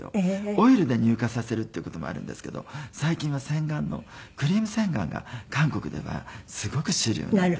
オイルで乳化させるっていう事もあるんですけど最近は洗顔のクリーム洗顔が韓国ではすごく主流なんです。